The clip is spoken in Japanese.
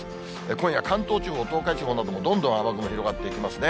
今夜、関東地方、東海地方なども、どんどん雨雲広がっていきますね。